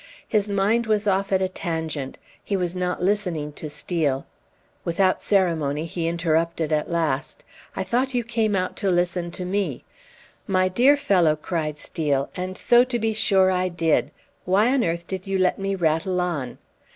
His mind was off at a tangent. He was not listening to Steel; without ceremony he interrupted at last. "I thought you came out to listen to me?" "My dear fellow," cried Steel, "and so, to be sure, I did! Why on earth did you let me rattle on?